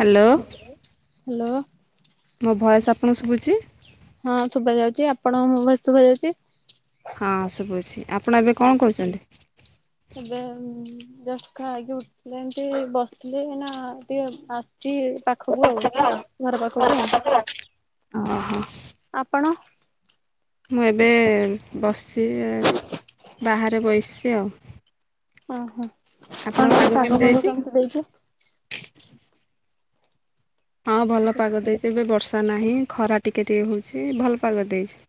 Hello ମୋ voice ଆପଣଙ୍କୁ ଶୁବୁଚି? ହଁ ଶୁବା ଯାଉଚି। ଆପଣଙ୍କୁ ମୋ ଭଏସ୍ ଶୁବା ଯାଉଚି? ହଁ ଶୁବୁଚି। ଆପଣ ଏବେ ହଁ କଣ କରୁଚନ୍ତି? ଏବେ ଜଷ୍ଟ ଖାଇକି ଉଠିଲି ଏମିତି ବସିଥିଲି ଏଇନା ଟିକେ ଆ ଚି ପାଖକୁ ଆଉ ଘର ପାଖକୁ ଆଉ। ଓହୋ ଆପଣ? ମୁଁ ଏବେ ବସିଚି ବାହାରେ ବସିଚି ଆଉ। ଓହୋ ଆପଣଙ୍କ କଣ ତ କେମିତି ପାଗ ଫାଗ ଦେଇଛି? କେମିତି ଦେଇଚି? ହଁ ଭଲ ପାଗ ଦେଇଚି ଏବେ ବର୍ଷା ନାହିଁ ଖରା ଟିକେ ଟିକେ ହଉଚି ଭଲ ପାଗ ଦେଇଚି।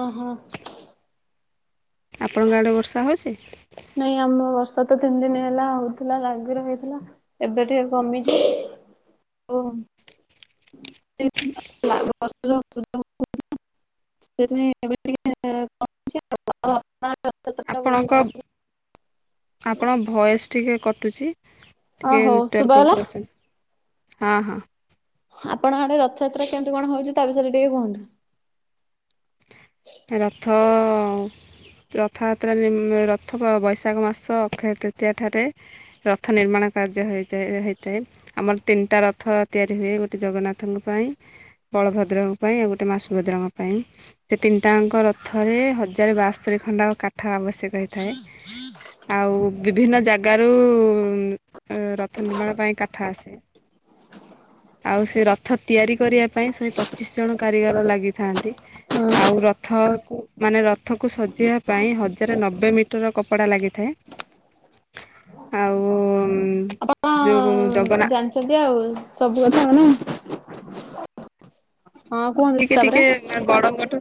ଓହୋ। ଆପଣଙ୍କ ଆଡେ ବର୍ଷା ହଉଚି? ନାଇଁ ଆମ ବର୍ଷା ତ ତିନି ଦିନ ହେଲା ହଉଥିଲା ଲାଗି ରହିଥିଲା। ଏବେ ଟିକେ କମିଚି ଓ [inaudible] ସେଥିପାଇଁ ଏବେ ଟିକେ [inaudible] ଆପଣଙ୍କ -ଆପଣଙ୍କ ଭଏସ୍ ଟିକେ କଟୁଚି। ଟିକେ ନେଟୱାର୍କ୍ ଶୁଭାଗଲା କୁ‌ ଆସ। ଆପଣଙ୍କ ଆଡେ ରଥଯାତ୍ରା କେମିତି କଣ ହଉଚି ତା ବିଷୟରେ ଟିକେ କୁହନ୍ତୁ? ରଥ ରଥଯାତ୍ରା ରଥ ବୈ -ବୈଶାଖ ମାସ ଅକ୍ଷୟ ତୃତୀୟା ଠାରେ ରଥ ନିର୍ମାଣ କାର୍ଯ୍ୟ ହେଇଯାଏ -ହେଇଥାଏ ଆମର ତିନିଟା ରଥ ତିଆରି ହୁଏ ଗୋଟେ ଜଗନ୍ନାଥଙ୍କ ପାଇଁ ବଳଭଦ୍ରଙ୍କ ପାଇଁ ଆଉ ଗୋଟେ ମା ସୁଭଦ୍ରାଙ୍କ ପାଇଁ। ସେ ତିନିଟାଙ୍କ ରଥରେ ହଜାର ବାସ୍ତରି ଖଣ୍ଡ କାଠ ଆବଶ୍ୟକ ହେଇଥାଏ। ଆଉ ବିଭିନ୍ନ ଜାଗାରୁ ରଥ ନିର୍ମାଣ ପାଇଁ କାଠ ଆସେ। ଆଉ ସେ ରଥ ତିଆରି କରିବା ପାଇଁ ଶହେ ପଚିଶି ଜଣ କାରିଗର ଲାଗିଥାନ୍ତି। ଆଉ ରଥକୁ ମାନେ ରଥକୁ ସଜେଇବା ପାଇଁ ହଜାରେ ନବେ ମିଟର କପଡ଼ା ଲାଗିଥାଏ। ଆଉ ଆପଣ ଯୋଉ ଜଗନ୍ନା ଜାଣିଚନ୍ତି ଆଉ ସବୁ କଥା। [unintelligible] ହଁ କୁହନ୍ତୁ ଟିକେ ତାପରେ ଟିକେ ବଡଙ୍କଠୁ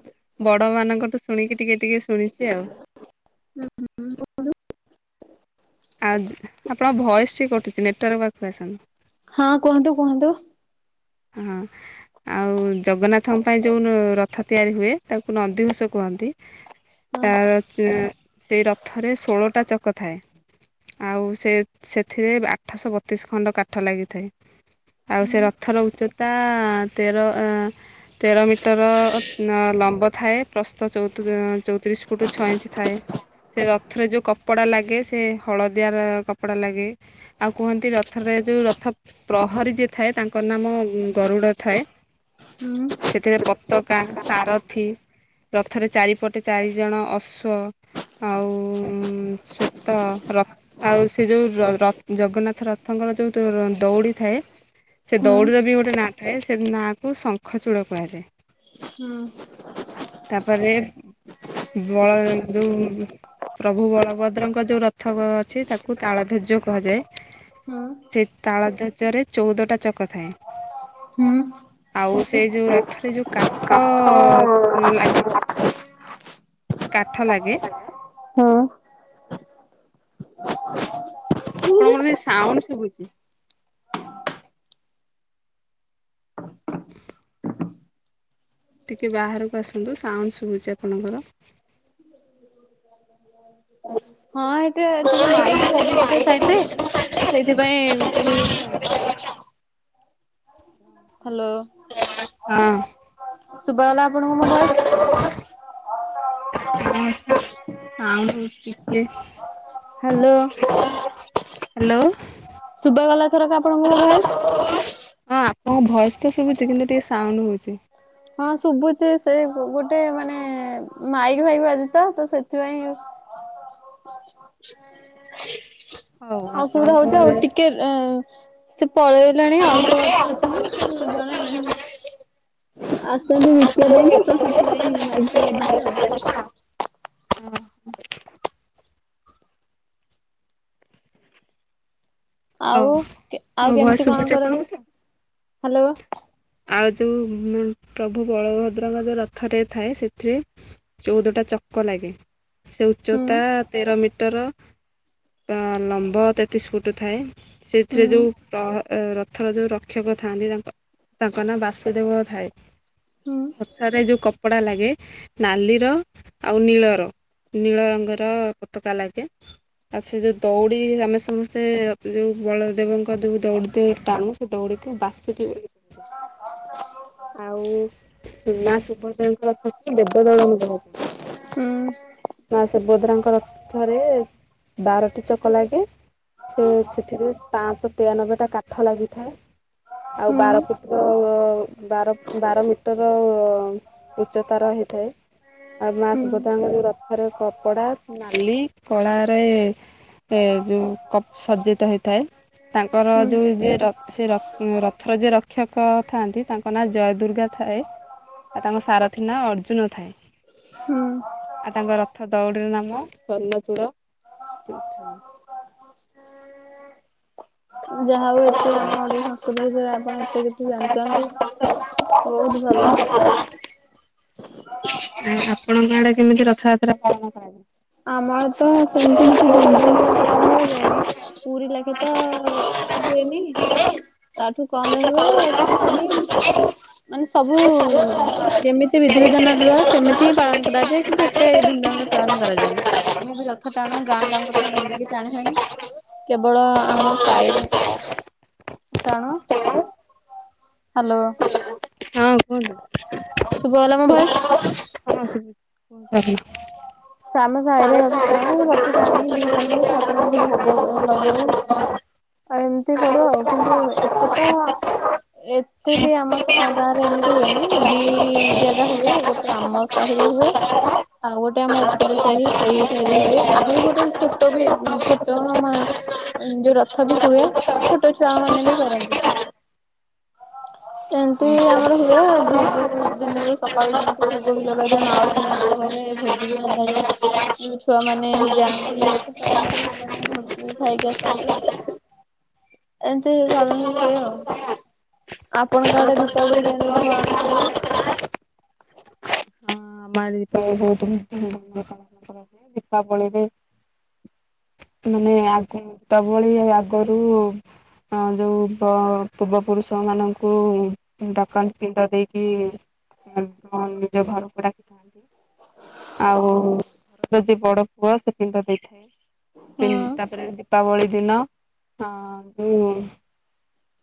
ବଡ ମାନଙ୍କଠୁ ଶୁଣିକି ଟିକେ ଟିକେ ଶୁଣିଚି ଆଉ। [inaudible] ଆଉ ଆପଣଙ୍କ ଭଏସ୍ ଟିକେ କଟୁଚି ନେଟୱାର୍କ୍ ପାଖକୁ ଆସନ୍ତୁ। ହଁ କୁହନ୍ତୁ କୁହନ୍ତୁ। ହଁ। ଆଉ ଜଗନ୍ନାଥଙ୍କ ପାଇଁ ଯଉ ରଥ ତିଆରି ହୁଏ ତାକୁ ନନ୍ଦିଘୋଷ କୁହନ୍ତି। ହୁଁ ତାର ଚେ-ସେଇ ରଥରେ ଷୋଳଟା ଚକ ଥାଏ। ଆଉ ସେ ସେଥିରେ ଆଠଶ ବତିଶ୍ ଖଣ୍ଡ କାଠ ଲାଗିଥାଏ। ଆଉ ସେ ରଥର ଉଚ୍ଚତା ତେର ଅଁ ତେର ମିଟର ଅ-ଲମ୍ବ ଥାଏ ପ୍ରସ୍ତ ଚଉତ୍- ଚଉତିରିଶ୍ ଫୁଟୁ ଛଅ ଇଞ୍ଚି ଥାଏ। ସେ ରଥରେ ଯେଉଁ କପଡ଼ା ଲାଗେ ସେ ହଳଦିଆର କପଡ଼ା ଲାଗେ ଆଉ କୁହନ୍ତି ରଥରେ ଯୋଉ ରଥ ପ୍ରହରୀ ଯିଏ ଥାଏ ତାଙ୍କ ଙ୍କ ନାମ ଗରୁଡ ଥାଏ ହୁଁ ସେଥିରେ ପତାକା ସାରଥି ରଥରେ ଚାରିପଟେ ଚାରି ଜଣ ଅଶ୍ୱ ଆଉ ଶ୍ଵେତ ରକ୍ ଆଉ ସେ ଯୋଉ ର ର ଜଗନ୍ନାଥ ରଥଙ୍କର ଯୋଉ ଦଉଡି ଥାଏ ସେ ହୁଁ ଦୌଡ଼ିର ବି ଗୋଟେ ନାଁ ଥାଏ ସେ ନାଁ କୁ ଶଙ୍ଖଚୂଡ଼ କୁହାଯାଏ। ହୁଁ ତାପରେ ବଳ ଯୋଉ ପ୍ରଭୁ ବଳଭଦ୍ରଙ୍କ ଯୋଉ ରଥ ଅଛି ତାକୁ ତାଳ ଧର୍ଯ୍ୟ କୁହାଯାଏ। ସେ ତାଳ ଧ୍ୱଜ ରେ ଚଉଦଟା ଚକ ଥାଏ ହୁଁ। ଆଉ ସେ ଯୋଉ ରଥରେ ଯୋଉ କା ହଁ ଲାଗେ କାଠ ଲାଗେ ହଁ ଆପଣଙ୍କର କିଛି ସାଉଣ୍ଡ ଶୁବୁଛି ଟିକେ ବାହାରକୁ ଆସନ୍ତୁ ସାଉଣ୍ଡ ଶୁଭୁଛି ଆପଣଙ୍କର ହ ହଁ ଏଟା ଟିକେ ମାଇକି ଫଜୁଛି ତ ସାଇଡ ରେ ତ ସେଇଥିପାଇଁ ଇଏ ହଉଛି ଆଉ ହ୍ୟାଲୋ ହଁ ଶୁଭ ହେଲା ଆପଣଙ୍କୁ ମୋ ଭସ୍ ଆଉ ଟିକେ ହ୍ୟାଲୋ ହ୍ୟାଲୋ ଶୁଭ ଗଲାଏଥରକ ଆପଣଙ୍କ ମୋ ଭୟସ ଆପଣଙ୍କ ଭଏସ୍ ତ ଶୁଭୁଛି କିନ୍ତ ଟିକେ ସାଉଣ୍ଡ ହଉଛି ହଁ ଶୁଭୁଛି ସେ ଗୋଟେ ମାନେ ମାଇକି ଫାଇକି ବାଜୁଛି ତ ସେଥିପାଇଁ ହ ଅସୁବିଧା ହଉଛି ଆଉ ଟିକେ ଅ ସେ ପଳେଇଗଲାଣି ଅଳ୍ପ ବାଟରେ ଅଛନ୍ତି ସେ ଜଣେ ଆସନ୍ତୁ ଦ୍ୱିତିବା ପାଇଁ ତ ତ ସେଥିପାଇଁ ମାଇକି ବାଜୁଛିୁ ଆଉ ଓ [unintelligible] ହଉ ଆଉ ମୋ ଆଉ ଭଏସ କେମିତି କଣ ଶୁଭୁଛି କରନ୍ତି ଆପଣଙ୍କୁ? ହାଲୋ ଆଉ ଯୋଉ ପ୍ରଭୁ ବଳଭଦ୍ରଙ୍କ ଯୋଉ ରଥରେ ଥାଏ ସେଥିରେ ଚଉଦଟା ଚକ ଲାଗେ ସେ ହୁଁ ଉଚ୍ଚତା ତେର ମିଟର ଲମ୍ବ ତେତିଶ ଫୁଟ ଥାଏ ସେଥିରେ ହୁଁ ଯୋଉ ର ରଥର ଯୋଉ ରକ୍ଷକ ଥାନ୍ତି ତାଙ୍କ ତାଙ୍କ ନାଁ ବାସୁଦେବ ଧାଇ ହୁଁ ପଥାରେ ଯୋଉ କପଡା ଲାଗେ ନାଲିର ଆଉ ନୀଳର ନୀଳ ରଙ୍ଗର ପତାକା ଲାଗେ ଆଉ ସେ ଯୋଉ ଦଉଡି ଆମେ ସମସ୍ତେ ଯୋଉ ବଳଦେବଙ୍କ ଯୋଉ ଦଉଡ଼ି ଟାଣୁ ସେ ଦୌଡ଼ି ଟେ ବାସ୍ତୁ ଆଉ ମା ସୁଭଦଙ୍କ ରଥ ଦେବ ଦୋଳ ମୁଥାଏ ହୁଁ ମା ସୁଭଦ୍ରାଙ୍କ ର ଥରେ ବାରଟି ଚକ ଲାଗେ। ସେ ସେଥିରେ ପାଞ୍ଚଶହ ତେୟାନବେ ଟା କାଠ ଲାଗିଥାଏ ଆଉ ହୁଁ ବାର ଫୁଟ ବାର ବାର ମିଟର ଉଚ୍ଚତାର ହେଇଥାଏ। ଆଉ ମା ହୁଁ ସୁଭଦ୍ରାଙ୍କ ଯୋଉ ରଥରେ କପଡା ନାଲି କଳାରେ ସେ ଯୋଉ କପ୍ ସଜିତ ହେଇଥାଏ। ତାଙ୍କର ଯୋଉ ଯିଏ ସେ ରଥର ଯିଏ ର ରକ୍ଷକ ଥାଆନ୍ତି ତାଙ୍କ ନାଁ ଜୟଦୁର୍ଗା ଥାଏ। ଆଉ ତାଙ୍କ ସାରଥୀ ନାଁ ଅର୍ଜୁନ ଥାଏ। ହୁଁ ଆଉ ତାଙ୍କ ରଥ ଦଉଡିର ନାମ ସୂର୍ଣ୍ଣପୁର ଥାଏ। ଯାହା ହଉ ଏତେ ଆମ ଓଡିଆ ସଂସ୍କୃତି ବିଷୟରେ ଆପଣ ଏତେ କିଛି ଜାଣି ବହୁତ ଭଲ। ଆଉ ଆପଣଙ୍କ ଆଡେ କେମିତି ରଥଯାତ୍ରା ପାଳନ କରାଯାଏ। ଆମର ତ ସେମିତି କିଛି ଧୁମ୍ ଧାମରେ ପାଳନ କରାଯାଏନି ପୁରୀ ଲାଗି ତ। ହୁଏନି ତାଠୁ କମ ରେ ହୁଏ ତଥାପି ମାନେ ସବୁ ଯେମିତି ବିଧିବିଧାନ ର ସେମିତି ପାଳନ କରାଯାଏ କିନ୍ତୁ ଏତେ ଧୁମଧାମ ରେ ପାଳନ କରାଯାଏନି। ଆମେ ବି ରଥ ଟାଣୁ ଗାଁ ଟାଙ୍କୁ ତ ବୁଲିକି ଟାଣି ହୁଏନି। କେବଳ ହଁ ଆମ ସାହିରେ କୁହନ୍ତୁ। ଟାଣୁ। ହ୍ୟାଲୋ। ହ ଶୁଭାଗଲା ମୋ ଭଏସ? [unintelligible] ଶାମ ସାହିରେ ରଥ ଟାଣୁ ରଥ ଟାଣି ଜୁହାର ହଉ ଠାକୁରଙ୍କୁ ଭୋଗ ଲଗାଉ। ଆ ଏମିତି କରୁ ଆଉ କିନ୍ତୁ ଏତେ ତ ଏତେ ବି ଆମ ଗାଁ ଏମିତି ହୁଏନି ଦି ଜାଗା ହୁଏ ଗୋଟେ ଆମ ସାହି ରେ ହୁଏ ଆଉ ଗୋଟେ ଆମ ହଁ ଉପର ଆଡେ ସାହିରେ ସେଇ ସାହିରେ ହୁଏ ଆହୁରି ଗୋଟେ ଛୋ ଛୋଟ ଦୀପାବଳି ବି ଛୋଟ ଯୋଉ ରଥ ବି ହୁଏ ଛୋଟ ଛୁଆ ମାନେ ବି କରନ୍ତି। [inaudible] ଏମିତି ଆମର ହୁଏ ଭୋଗ ଦିନରୁ ସକାଳୁ ଯେମତି ଭୋଗ ବି ଲଗେଇଦିଏ ମାଉସୀ ମା ତାଙ୍କ ଘରେ ଭୋଜି ବି ରନ୍ଧାଯାଏ। ଯଉ ଛୁଆ ମାନେ ଯାଆନ୍ତି ରଥ ଟାଣି ଟାଣି ସେମାନେ ଭୋଜି ବି ଖାଇକି ଆସନ୍ତି। ଏମତି ପାଳନ ହୁଏ ଆଉ। ଆପଣଙ୍କଆଡେ ଦୀପାବଳି କେମତି କଣ ପାଳନ କରାଯାଏ? ହଁ ମା ଦ [unintelligible] ବହୁତ ଧୁମଧାମରେ ପାଳନ କରାଯାଏ ଦୀପାବଳିରେ ମାନେ ଆଗ ଦୀପାବଳି ଆଗରୁ ଆ ଯଉ କ ପୂର୍ବ ପୁରୁଷ ମାନଙ୍କୁ [unintelligible] ନିଜ ଘରକୁ ଡକିଥାନ୍ତି। ଆଉ ଘରର ଯେ ବଡ ପୁଅ ସେ ପିଣ୍ଡ ଦେଇଥାଏ। ହୁଁ ତାପରେ ଦୀପାବଳି ଦିନ ହଁ ଉଁ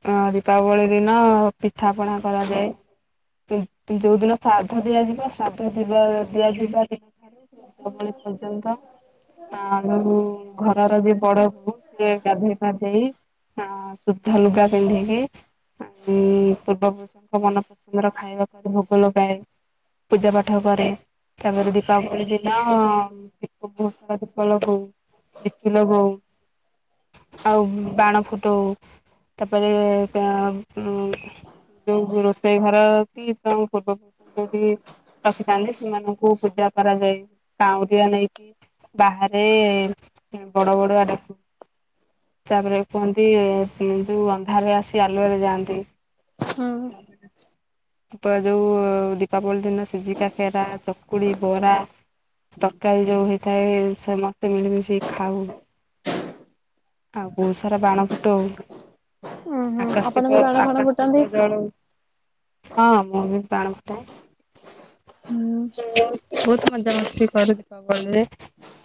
ଅ ଦୀପାବଳି ଦିନ ପିଠା ପଣା କରାଯାଏ। ଯୋଉ ଦିନ ଶ୍ରାଦ୍ଧ ଦିଆଯିବ ଶ୍ରାଦ୍ଧ ଯିବା ଦିଆଯିବା ଦିନ ଦୀପାବଳି ପର୍ଯ୍ୟନ୍ତ ଆ ଉ ଘରର ଯିଏ ବଡ ବୋଉ ସିଏ ଗାଧୋଇ ପାାଧେଇ ଆ ସୁଦ୍ଧ ଲୁଗା ପିନ୍ଧିକି ଉୁଁ ପୂର୍ବପୁରୁଷଙ୍କ ମନପସନ୍ଦର ଖାଇବାକୁ ଭୋଗ ଲଗାଏ। ପୂଜା ପାଠ କରେ। ତାପରେ ଦୀପାବଳି ଦିନ ଦୀପ ବହୁତ ସାରା ଦୀପ ଲଗଉ। ଲିଚୁ ଲଗଉ ଆଉ ବାଣ ଫୁଟଉ। ତାପରେ ଆ ଉ। ଯୋଉ ରୋଷେଇ ଘର ଅଛି ତ ପୂର୍ବପୁରୁଷ ଯଦି- ରଖିଥାନ୍ତି ସେମାନଙ୍କୁ ପୂଜା କରାଯାଏ କାଉଁରିଆ ନେଇକି। ବାହାରେ ବଡ ବଡିଆ ଡାକୁ। ତାପରେ କୁହନ୍ତି ସେ - ତୁ ଅନ୍ଧାରରେ ଆସି ଆଲୁରେ ଯାଆନ୍ତି। ଯୋଉ ଦୀପାବଳି ଦିନ ସୁଜି କାକରା, ଚକୁଳି, ବରା- ତରକାରୀ ଯଉ ହେଇଥାଏ ସମସ୍ତେ ମିଳିମିଶି ଖାଉ। ଆଉ ବହୁତ ସାରା ବାଣ ଫୁଟଉ ଉୁଁ ହୁଁ ଆକାସ ଆପଣ ବି ଦୀପ ବାଣ ଫାଣ ଆକାସ ଫୁଟାନ୍ତି? ଦୀପ ଜାଳୁ। ହଁ ମୁଁ ବି ବାଣ ଫୁଟାଏ। ହୁଁ ବହୁତ ମଜା କରୁ [unintelligible] ଦୀପାବଳିରେ।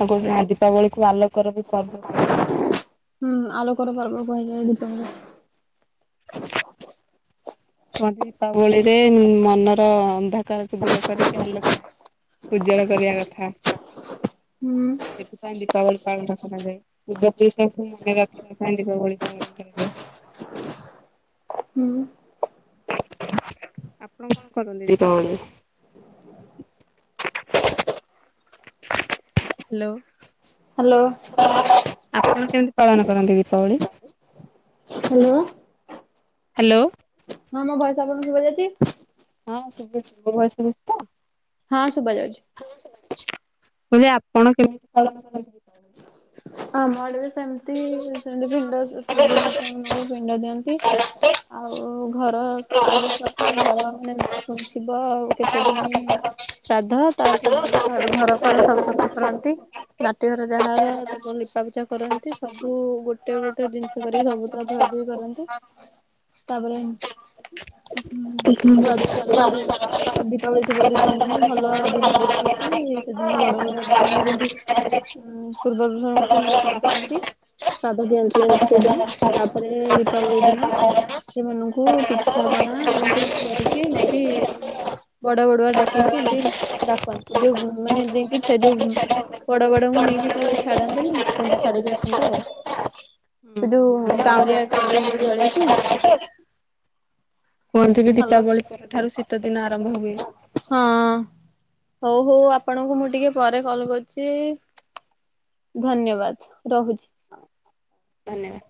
ଆଉ ଗୋଟେ ଦୀପାବଳିକୁ ଆଲୋକର ବି ପର୍ବ କୁହାଯାଏ। ହୁଁ ଆଲୋକର ପର୍ବ କୁହାଯାଏ ଦୀପାବଳିକୁ। [unintelligible] କୁହନ୍ତି ଦୀପାବଳିରେ ମନର ଅନ୍ଧକାରକୁୁ ଦୂର କରିକି ଆଲୋକ- ଉଜ୍ଜଳ କରିବା କଥା। ହୁଁ ସେଥିପାଇଁ ଦୀପାବଳି ପାଳନ କରାଯାଏ [unintelligible] ମନେ ରଖିବା ପାଇଁ ଦୀପାବଳି ପାଳନ କରାଯାଏ। ହୁଁ। ଆପଣ କଣ କରନ୍ତି ଦୀପାବଳିରେ। ହାଲୋ। ହ୍ୟାଲୋ। ଆପଣ କେମିତି ପାଳନ କରନ୍ତି ଦୀପାବଳି? ହ୍ୟାଲୋ। ହ୍ୟାଲୋ। ହଁ ମୋ ଭଏସ ଆପଣଙ୍କୁ ଶୁଭା ଯାଉଛି। ହଁ ଶୁୁଭୁଛି। ମୋ ଭଏସ ଶୁଭୁଛି ତ? ହଁ ଶୁଭାଯାଉଚି। ମୁଁ କହିଲି ଆପଣ କେମିତି ପାଳନ ଆମ ଆଡେ ବି ସେମତି ସେମତି ପିଣ୍ଡ ପୂର୍ବ ପୁରୁଷଙ୍କୁ ପିଣ୍ଡ ଦିଅନ୍ତି। ଦୀପାବଳି? ଆଉ ଘର ଆଗେ ପ୍ରଥମେ ଘର ମାନେ ଶୁଣିଥିବ ଆଉ କେତେ ଦିନ ଶ୍ରାଦ୍ଧ ତା ପୂର୍ବରୁ ଘର ଫର ସବୁ ସଫା କରନ୍ତି। ମାଟି ଘର ଯାହାର ତାକୁ ଲିପାପୁଛା କରନ୍ତି ସବୁ ଗୋଟେ ଗୋଟେ ଗୋଟେ ଜିନିଷ କରିକି ସବୁ ତା ଧୁଆଧୁଇ କରନ୍ତି। ତାପରେ ହଁ ଧୂଆଁ ଧୁଇ କରିଲେ ଯଉ ଦୀପାବଳି ଥିବ ଦି ତିନି ଦିନ ଭଲ ଦିନ ଦେଖିକି ସେଦିନ ବଡ ବଡ ମାନେ ଯେମିତି ଉ ପୂର୍ବପୁରୁଷଙ୍କୁ ନେଇକି ଡାକନ୍ତି। ଶ୍ରାଦ୍ଧ ଦିଅନ୍ତି ଦିନ ତାପରେ ଦୀପାବଳି ଦିନ ସେମାନଙ୍କୁ ପିଠାପଣା ଏମିତି କରିକି ନେଇକି ବଡ ବଡୁଆ ଡାକିକି ଯ ଡାକନ୍ତି ଯୋଉ ମାନେ ଯେକି ସେ ଯୋଉ ବଡ ବଡିଆଙ୍କୁ ନେଇକି ଯୋଉ ଛାଡନ୍ତିନି ସେମିତି ଛାଡିକି ଆସନ୍ତି ଆଉ। ସେ ଯୋଉ କାଉଁରିଆ ଯୋଉ ଇଏ ଜଳେଇକି କୁହନ୍ତିିକି ହ୍ୟାଲୋ ଦୀପାବଳି ପରଠାରୁ ଶୀତ ଦିନ ଆରମ୍ଭ ହୁଏ। ହଁ ହଉ ହଉ ଆପଣଙ୍କୁ ମୁଁ ଟିକେ ପରେ କଲ କରୁଚି। ଧନ୍ୟବାଦ ରହୁଛି। ଧନ୍ୟବାଦ।